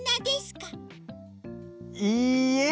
いいえ。